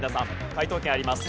解答権あります。